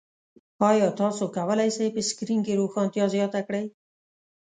ایا تاسو کولی شئ په سکرین کې روښانتیا زیاته کړئ؟